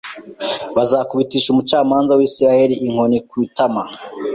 bazakubitisha umucamanza w’Isirayeli inkoni ku itama